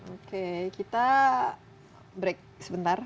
oke kita break sebentar